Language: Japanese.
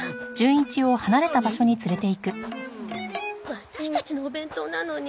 ワタシたちのお弁当なのに。